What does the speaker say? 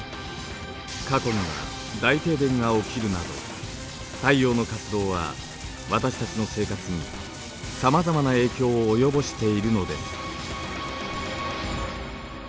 過去には大停電が起きるなど太陽の活動は私たちの生活にさまざまな影響を及ぼしているのです。